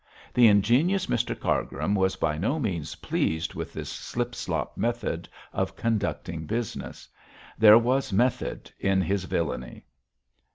The ingenious Mr Cargrim was by no means pleased with this slip slop method of conducting business. There was method in his villainy.